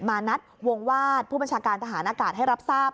มานัดวงวาดผู้บัญชาการทหารอากาศให้รับทราบ